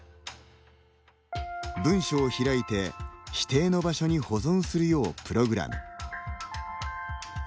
文書を開いて、指定の場所に保存するようプログラム。